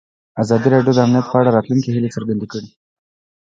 ازادي راډیو د امنیت په اړه د راتلونکي هیلې څرګندې کړې.